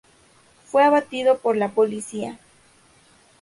Fue abatido por la policía.